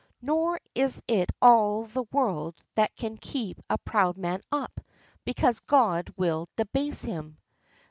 Nor is it all the world that can keep a proud man up, because God will debase him.